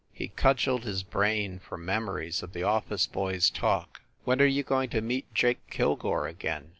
He cud geled his brain for memories of the office boy s talk. "When are you going to meet Jake Kilgore again?"